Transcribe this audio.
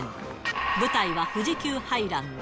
舞台は富士急ハイランド。